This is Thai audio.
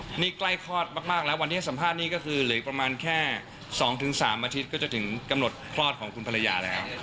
วันนี้ใกล้คลอดมากแล้ววันที่ให้สัมภาษณ์นี้ก็คือเหลืออีกประมาณแค่๒๓อาทิตย์ก็จะถึงกำหนดคลอดของคุณภรรยาแล้ว